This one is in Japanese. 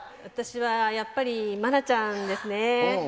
私はやっぱり茉奈ちゃんですね。